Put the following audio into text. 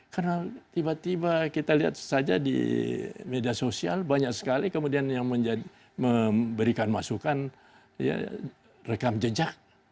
karena tiba tiba kita lihat saja di media sosial banyak sekali kemudian yang memberikan masukan rekam jejak